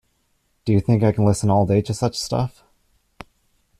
Do you think I can listen all day to such stuff?